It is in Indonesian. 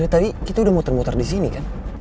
tadi kita udah muter muter disini kan